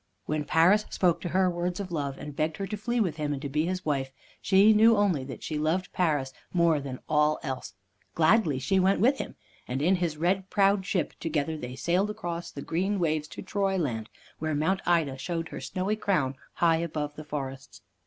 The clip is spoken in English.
When Paris spoke to her words of love, and begged her to flee with him, and to be his wife, she knew only that she loved Paris more than all else. Gladly she went with him, and in his red prowed ship together they sailed across the green waves to Troyland, where Mount Ida showed her snowy crown high above the forests.